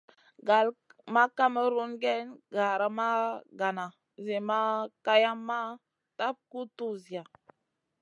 Gal ma kamerun géyn gara ma gana Zi ma kayamma tap guʼ tuwziya.